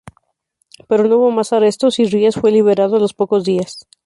Pero no hubo más arrestos y Ries fue liberado a los pocos días.